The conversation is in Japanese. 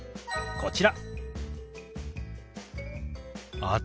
こちら。